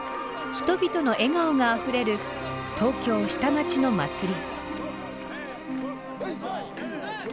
人々の笑顔があふれる東京下町の祭り。